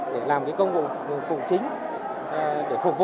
để làm công vụ cụ chính